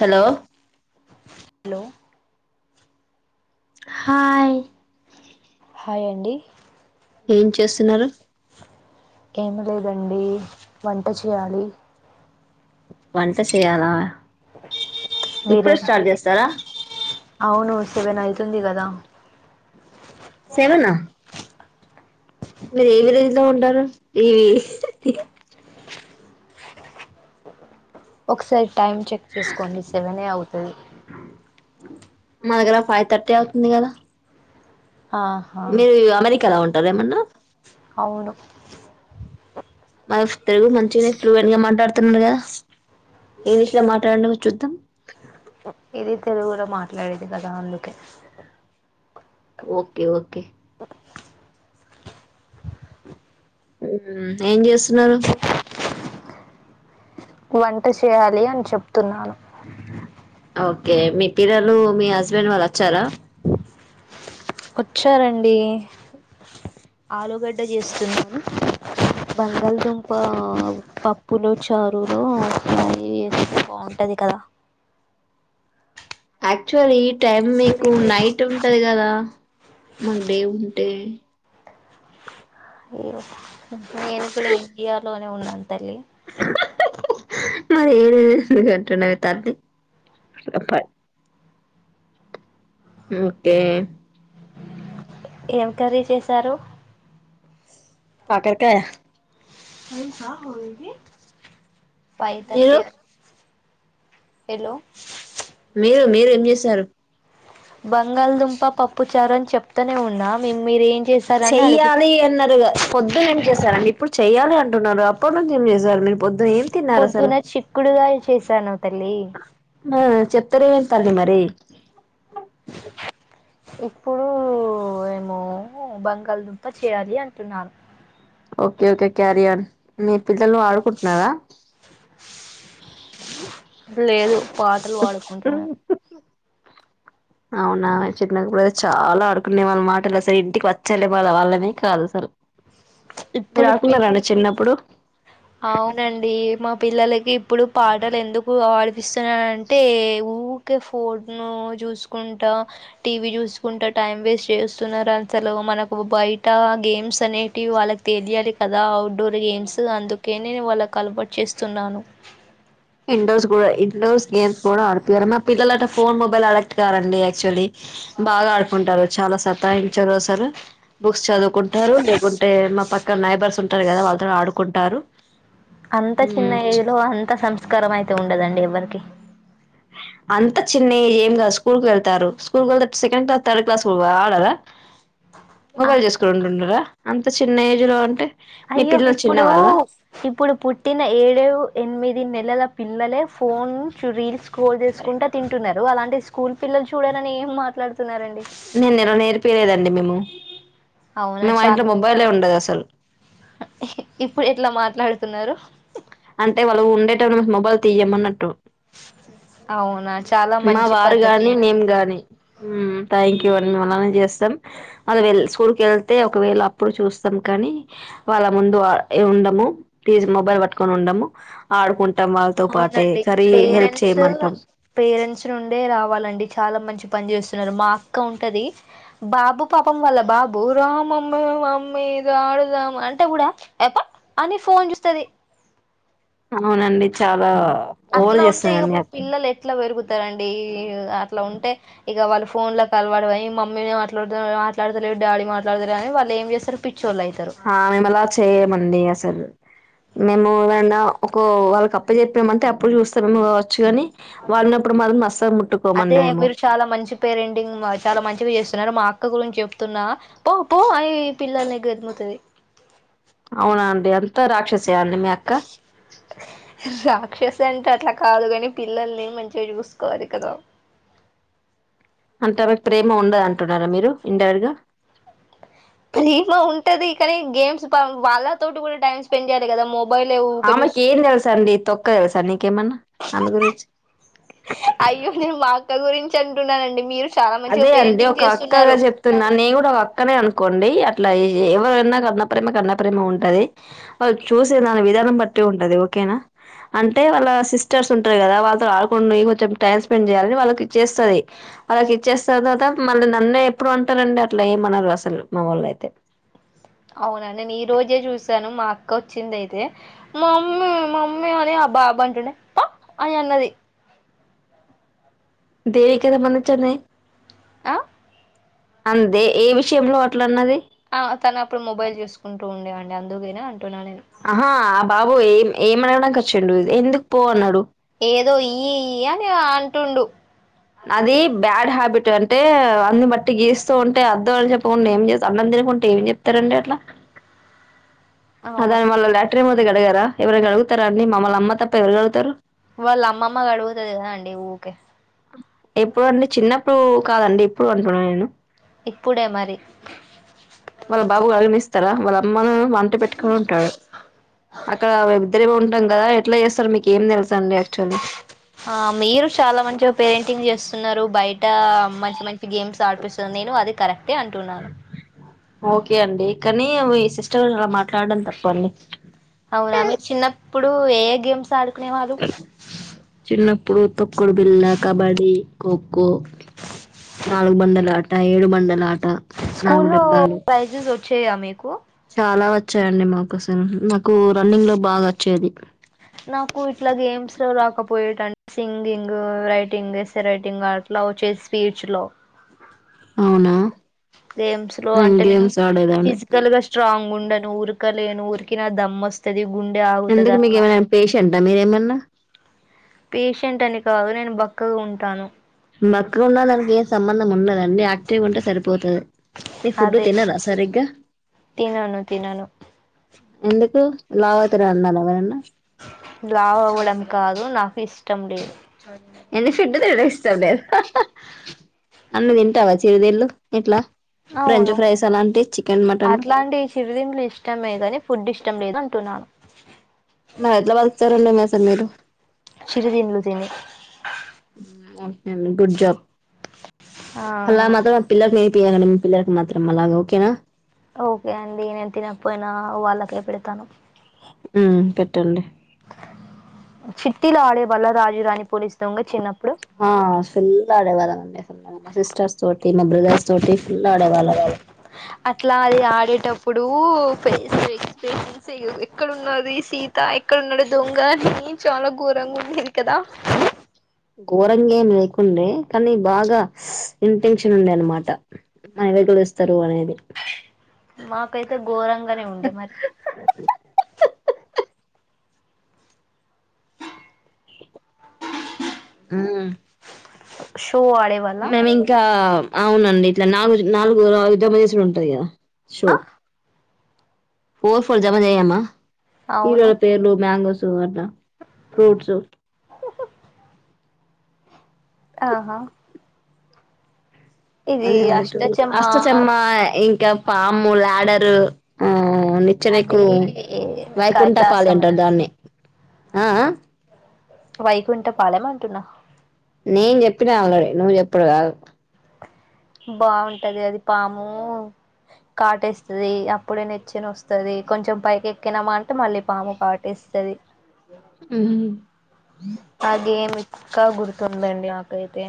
Hello hello hi hi అండి ఏం చేస్తున్నారు ఏమి లేదండి వంట చేయాలి వంట చేయాలా ఇప్పుడు మీరేనా స్టార్ట్ చేస్తారా సివెనాయితుంది కదా సెవెనా మీరు ఏ విలేజ్ లో ఉంటారు ఇవి ఒకసారి టైమ్ చెక్ చేసుకోండి సెవెన్ అవుతుంది మా దగ్గర ఫైవ్ థర్టీ అవుతుంది కదా ఆహా మీరు అమెరికా లా ఉంటార ఏమన్నా అవును మా తెలుగు మంచిగానేప్పులున్గా మాట్లాడుతున్నారుగా ఇంగ్లీష్ లో మాట్లాడడం చూద్దాం ఇది తెలుగులో మాట్లాడేది కదా అందుకే ఓకే ఓకే ఉహు ఏం చేస్తున్నారు వంట చేయాలి అని చెప్తున్నాను ఓకే మీటీరలు మీ హస్బెండ్ వాళ్ళు వచ్చారా వచ్చారండి ఆలుగడ్డ చేస్తున్నాము బంగాళదుంప పప్పులు చారులు ఫ్రైయి బాగుంటది కదా యాక్చువల్ ఈ టైమ్ మీకు నైట్ ఉంటది కదా మాకు డే ఉంటే ఈ మేము కూడా ఇండియాలోనే ఉన్నం తల్లి మరి ఏద ఎందుకుంటున్నవి తల్లి ఓకే ఏం కర్రీ చేసారు కాకరకాయ ఫైవ్ మీరు థర్టీ హలో మీరు మీరు ఏం చేశారు బంగాళదుంప పప్పు చారు అని చెప్తనే ఉన్నా మీరు ఏం చేశారని అడుగు చెయ్యాలి అన్నారుగా కొద్దు నేను చెప్ స అండి ఇప్పుడు చెయాలి అంటున్నా అప్పటి నుంచి ఏం చేశారు మీరు పద్దు ఏం తిన్నారు అసలు పొద్దున చిక్కుడుగాయ చేశాను తల్లి హా చెప్ తెరవేన తర్ మరి ఇప్పుడు ఏమో బంగాళదుంప చేయాలి అంటున్నాను ఓకే ఓకే క్యారియన్ మీ పిల్లలు ఆడుకుంటున్నారా అ లేదు పాటలు పాడుకుంటున్నారు అవునా చిన్నప్పుడయితే చాలా ఆడుకునే వాళ్ళ మాట ఇలా ఇంటికి వచ్చాల బళ్ళ వాళ్ళనే కాదు అసలు మీరు ఇప్పుడు ఆడుకున్నారండి చిన్నప్పుడు అవునండి మా పిల్లలకి ఇప్పుడు పాటలు ఎందుకు ఆడిపిస్తున్నాంటే ఊ ఫోను చూసుకుంటా టీవీ చూసుకుంటా టైం వేస్ట్ చేస్తున్నారు అసలు మనకు బయట గేమ్స్ అని టి వాళ్ళకి తెలియాలి కదా అవుట్డోర్ గేమ్స్ అందుకే నేను వాళ్ళ కలబటు చేస్తున్నాను ఇండోర్స్ కూడా ఇండోర్స్ గేమ్స్ కూడా ఆడిపోయారు మా పిల్లలు అట ఫోన్ మొబైల్ అడక్ట్కారండి యాక్చువల్లీ బాగా ఆడుకుంటారు చాలా సతాయించారు సారు బుక్స్ చదువుకుంటారు లేకుంటే మా పక్క నైబర్స్ ఉంటారు కదా వా వా ఆడుకుంటారు అంత చిన్న మ్మ్ ఏజ్ లో అంత సంస్కారం అయితే ఉండదండి ఎవ్వరికి అంత చిన్న ఏం కాదు స్కూల్ కి వెళ్తారు స్కూల్ కి వెళ్తే సెకండ్ క్లాస్ థర్డ్ క్లాస్ ఆడరా మొబైల్ చేసుకుని ఉంటుండారా అంత చిన్న ఏజ్ లో అంటే మీ అయ్యో పిల్లలు చిన్న ఇప్పుడు వాళ్ళ ఇప్పుడు పుట్టిన ఏడు ఎనిమిది నెలల పిల్లలే ఫోన్ నుంచి రీల్స్ స్ల్ తీసుకుంటా తింటున్నారు అలాంటి స్కూల్ పిల్లలు చూడాలని ఏం మాట్లాడుతున్నారండి నేనుల నేర్పయలేదండి మేము అవునా మేము మా ఇంట్లో చాలా మొబైలే ఉండదు అసలు ఇప్పుడు ఎట్లా మాట్లాడుతున్నారు అంటే వాళ్ళు ఉండేట మొబైల్ తీయమ అన్నట్టు అవు మా వారు గాని మేము గాని థ్యాంక్ యూ అ మే అలానే చేస్తాం అ స్కూల్కి వెళ్తే ఒకవేళ అప్పుడు చూస్తాం కానీ వాళ్ళ ముందు ఉండము తీజ్ మొబైల్ పట్టుకొని ఉండము ఆడుకుంటాం వాళ్ళతో పాటే అవునండి ఇది కరీ హెల్ప్ పేరెంట్స్ చేయమంటాం పేరెంట్స్ నుండే రావాలండి చాలా మంచి పని చేస్తుంది మాక్క ఉంటది బాబు పాపం వల్ల బాబు రామ్ మీద అడుదాం అంటే కూడా ఎప్ప అని ఫోన్ చూస్తుది అవునండి చాలా ఓవర్ అట్లా ఉంటే చేస్తానండి ఇప్పుడు అక్క. పిల్లలు ఎట్లా పెరుగుతు ారండి అట్లా ఉంటే ఇక వాళ్ళు ఫోన్ లో అలవాడ అ మమ్మీట్ మాట్లాడత డాలీ మాట్లాడతారు కాని వాళ్ళ ఏం చేస్తారు పి మ మళ చే మడి అసెలు మేము ఏన్నా ఒక వాళ్ళకి అప్ప చెప్పినమంటే అప్పుడు చూస్తాముేము వచ్చు కాని వాళ్ళున్నప్పుడు మాత్రం అస్సలు అదే ముట్టుకోమండి మేము మీరు చాలా మంచి పేరెండింగ్ చాలా మంచిగా చేస్తు మా అక్క గురించి చెప్తున్నా పో పో అవి పిల్లల్ని ఎదుముతుంది అవునా అండి అంతా రాక్షసేయండి మీ అక్క రాక్షస్ అంటే అట్లా కాదు కాని పిల్లల్ని మంచిగా చూసుకోవాలి కదా అంత మీకు ప్రేమ ఉండద అంటున్నారా మీరు ఇండైరెక్ట్ గా ప్రీమ ఉంటది ఇ కానీ గేమ్స్ వాళ్ళతోటి కూడా టైమ్ స్పెండ్ చేయాలి కదా మో ఆమెకి ఏన్ తెల్సా అండి తొక్క తెల్సా నీ అయ్యో నేను మా అక్క గురించి అంటున్నానండి మీరు చాలా మంచిగా అదే అండి పేరెంటింగ్ ఒక అక్కగా చేస్తున్నారు చెప్తున్నా నేను కూడా ఒక అక్కనే అనుకు అనుకోండి అట్లా ఎవరైనా కన్న ప్రేమ కన్న ప్రేమ ఉంటంది వా చూసే దాని విధానం పట్టి ఉండడాద ఓకేనా అంటే వాళ్ళ సిస్టర్స్ ఉంటారు కదా వాళ్ళతో ఆడుకుండి కొంచెం టైమ్ స్పెండ్ చేయాలని వాళ్ళకి చేస్తుంది అలా చ్చ చేస్తారు తవాత మళ్ళీ నన్నే ఎప్పుడు అంటారంండి అట్లా ఏమన్నారు అసలు మా వాళ్ళ అయితే అవునండి నేను ఈ రోజే చూసాను మా అక్క వచ్చింది అయితే మా మమ్మీ మా మమ్మీ అని బబ్బా బబ్బా అంటునే పా అ అన్నది దేవకద మనచ్చనే ఆ అంతే ఏ విషయంలో అట్లా అన్నది ందే ఆహా ఆ బాబు ఏం ఏమనగడానికి వచ్చచండు ఎందుకు పో అన్నాడు ఏదో ఇ అని అంటుండు అది బ్యాడ్ హ్యాబిట్ అంటే అన్ని బట్టి గీస్తూ ఉంటే అద్దవాళ్ళు చెప్పకుండా ఏం చేస్త అన్న కుంటే ఏం చెప్తారండి అట్లా అదా అవును మళ్ళ లలాటరీ మీద గడిగారా ఎవరి అడుగుతార అండి మమ్మల్ని అమ్మ తప్ప ఎవరు కడుగుతారు వాళ్ళు అమ్మమ్మ అడుగుతుది కదా అండి ఊకే ఎప్పుడు అండి చిన్నప్పుడు కాదండి ఎప్పుడు అంటున్నా నేను ఇప్పుడే మరి వాళ్ళ బాబు కలగనిస్తారా వాళ్ళ అమ్మను వంట పెట్టుకుని ఉంటాడు అక్కడ ఉంటాం కదా ఎట్లా చేస్తారు మీకు ఏం తెలుసు అండి యాక్చువల్లీ ఆ మీరు చాలా మంచిగా పెయింటింగ్ చేస్తున్నారు బయట ట మంచి మంచి గేమ్స్ ఆడిపిస్తుంది నేను అది కరెక్టే అంటున్నాను ఓకే అండి కానీ మీ సిస్టర్ గారు అలా మాట్లాడడం తప్ప అండి అవునా మీరు చిన్నప్పుడు ఏ గేమ్స్ ఆడుకునేవాలు తోకుడు బిల్లా కబాడీ కో కో నాలల్గు బండల ఆట ఏడు బండల ఆట నాలుగు స్కూలో డబ్బాలు ప్రైజెస్ వచ్చాయా మీకు చాలా వచ్చాయండి మాకోసం నాకు రన్నింగ్ లో బాగా వచ్చేది నాకు ఇట్లా గేమ్స్ లో రాకపోయేటంటే సింగింగ్ రైటింగ్ ఎసే రైటింగ్ ఆట్లా లో చేసి స్పీచ్ లో అవునా గేమ్స్ లో అంటే నేను గేమ్స్ ఆడేదాన్ని ఫిజికల్ గా స్ట్రాంగ్ ఉ ఉండను ఉరుకలేను ఉరికినా దమ్ వస్తుంది ఎందుకు మీకు ఏమన్నా పేషెంటా మీరేమన్నా పేషెంట్ అని కాదు నేను బక్కగా ఉంటాను బక్కగా ఉన్న ల ఏ సంబంధం ఉండదు అ యాక్టివ్ ఉంటే సరిపోతుంది ఫుడ్ తినరా సరిగ్గా అ తినను ఎందుకు లవ్యతారు అన్నారా ఎవరన్నా లావవడం కాదు నాకు ఇష్టం లేదు ఏందీ ఫుడు తినడం ఇష్టం లేద అన్ని తింటావా చిరుతిండ్లు ఇట్లా ఫ్రెంచ్ అవును ఫ్రైస్ అలాంటి చికెన్ మటన్ అట్లాంటి చిరిదింలు ఇష్టమే కాని ఫుడ్ ఇష్టం లేదు అంటున్నాను మరి ఎట్లా బతుకుతారు అండి అసలు మీరు చిరుదిండ్లు తిని ఓకే గుడ్ జాబ్ అలా ఆహా మాత్రం పిల్లకు యల మీ పిల్లలకుకి మాత్రం అలాగ ఓకేనా ఓకే అండి నేను తినకపోయినా వాళ్ళకే పెడతాను ఉ పెట్టండి చిట్టల ఆడేవాళ్ళ రాజు రాణి పోలిసు దొంగ చిన్న ఆ ఫుల్ ఆడేవాళ్ళమండి మా సిస్టర్స్ తోటి న బ్రదర్స్ తోటి ఫుల్ అడవాల ఇప్పుడు ఫేస్ ఎక్స్ప్రెస్ ఎక్కడా ఉనాది సీత ఎక్కడన్నాడు దొంగ చాలా ఘోరంగా ఉండది కదా ఘోరంగా ఏం లేకుండే కానీ బాగా ఇంటెన్షన్ ఉండే అనమాట [unintelligible] మాకైతే ఘోరంగానే ఉండే మరి ఉ షో ఆడే వాళ్ళ మేము ఇంకా అవునండి ఇట్లా నాలుగు నాలుగు [unintelligible] ఉంటది కదా షో ఆ ఫోర్ ఫోర్ జమ చేయమా అవును హీరోల పేర్లు మ్యాంగోస్ అట్లా ఫ్రూట్స్ ఆహా ఇది అదే అ అష్టచమ్మా అష్టచమ్మ ఇంకా పాము లాడరు నిచ్చన అది ఎక్కుడు వైకుంఠపాలి కైలాసం అంటారు అండి దాన్ని ఆ ఆ వైకుంఠ పాలామ్ అంటున్న నేను చెప్పినా ఆల్రెడీ నువ్వు చెప్పడు ఆగు బాగుంటది అది పాము కాటేస్తుంది అప్పుడే నచ్చని వస్తుది కొంచెం పైక ఎక్కినామా అంటే మళ్ళీ పాము కాటేస్త వస్తది హ్ ఆ గేమ్ ఇక్క గుర్తుందండి నాకైతే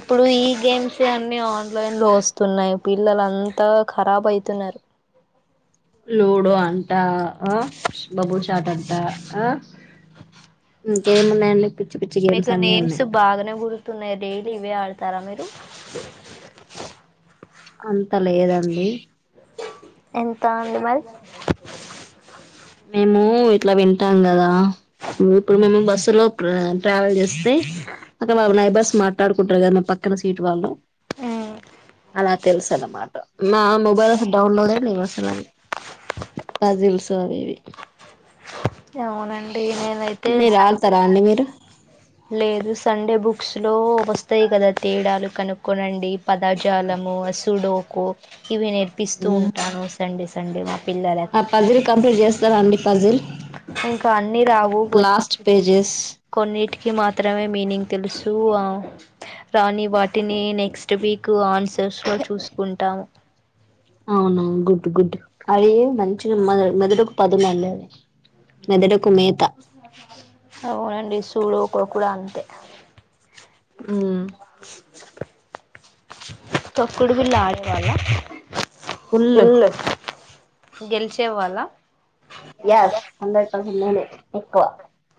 ఇప్పుడు ఈ గేమ్స్ అ న్నీ ఆన్లైన్ లో వస్తున్నాయి పిల్లలు అంతా ఖరాబ్ అయితున్నారు లూడో అంట ఆ బబుల్ చాట్ అంట ఆ ఇంకేమున్నాయండి పిచ్చి మీకు గేమ్స్ అన్ని నేమ్స్ ఉన్నాయి బాగానే గుర్తు న్నాయి డైలీ ఇవే ఆడతారా మీరు అంత లేదండి ఎంత ఉంది మరి మేము ఇట్లా వింటాం కదా ఇప్పుడు మేము బస్సు లో ట్రావెల్ చేస్తే అయితే నైబర్స్ మాట్లాడుకుంటారు కదా పక్కన సీటు వాళ్ళు మ్ అలా తెలుస అన్నమాట మా మొబైల్ డౌన్లోడ్ ఏ లేవు అసలు అవి పజిల్స్ అవి ఇవి ఏమోనండి నేనైతే మీరు ఆడతారా అండి మీరు లేదు సండే బుక్స్ లో వస్తాయి కదా తేడాలు కనుక్కోనండి పదాజాలం సుడోకో ఇవి నేర్పిస్తూ ఉంటాను సండే సండే మా ఆ పిల్లలకి పజిల్ కంప్లీట్ చేస్తరా అండి ఫజిల్ ఇంకా అన్ని రావు లాస్ట్ పేజెస్ కొన్నిటికి మాత్రమే మీనింగ్ తెలుసు రాని వాటిని నెక్స్ట్ వీక్ ఆన్ సర్స్లో చూసుకుంటాము అవునా గుడ్ గుడ్ అవి మంచిగా మొద మెదడుకు పదును అండి అవి మదడుకు మే అవునండి సూడు కొ కుడ అంతే హ్మ్ తొక్కుడు బిళ్ళ ఆడేవాళ్ల ఫుల్ ఫుల్ గెలిచే వాళ్ళా ఎస్ హండ్రెడ్ పర్సెంట్ నేనే ఎక్కువ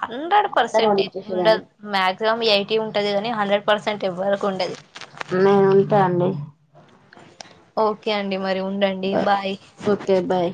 హండ్రెడ్ అందరిని పర్సెంట్ ఏం ఉండదు ఓడించేసేదాన్ని మాక్సిమం ఎయిటి ఉంటది కాని హండ్రెడ్ పర్సెంట్ ఎవ్వరకు ఉండది నేను ఉంటా అండి ఓకే అండి మరి ఉండండి బాయ్ ఓకే బాయ్